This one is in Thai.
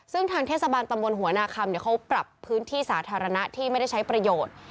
ซึ่งทางเทศบาลตำบลหัวนาคำเขาปรับพื้นที่สาธารณะที่ไม่ได้ใช้ประโยชน์